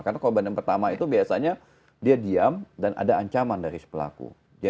karena korban yang pertama itu biasanya dia diam dan ada ancaman dari sepelaku